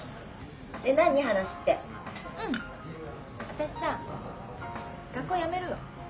私さ学校やめるよ。